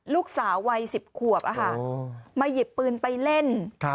ลูกสาววัย๑๐ขวบมาหยิบปืนไปเล่น